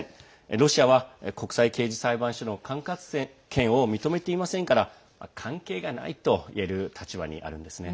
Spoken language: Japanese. ロシアは国際刑事裁判所の管轄権を認めていませんから関係がないといえる立場にあるんですね。